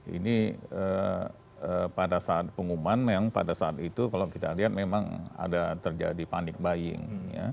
ini pada saat pengumuman memang pada saat itu kalau kita lihat memang ada terjadi panik buying